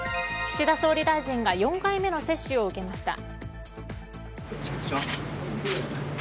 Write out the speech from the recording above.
岸田総理大臣が４回目の接種を受けました。